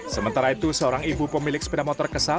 sementara itu seorang ibu pemilik sepeda motor kesal